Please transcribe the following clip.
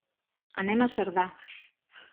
Anem a Cerdà.